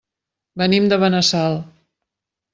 Venim de Benassal.